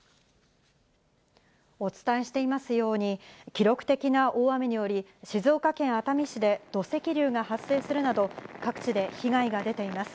お伝えしていますように、記録的な大雨により、静岡県熱海市で土石流が発生するなど、各地で被害が出ています。